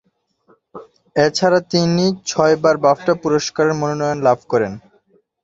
এছাড়া তিনি ছয়বার বাফটা পুরস্কারের মনোনয়ন লাভ করেন।